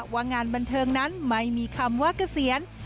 ว่างานบันเทิงนั้นไม่มีคำว่าเกษียณ